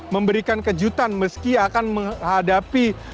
memberikan kejutan meski akan menghadapi